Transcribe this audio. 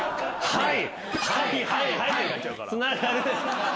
はい。